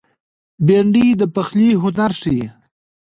بېنډۍ د پخلي هنر ښيي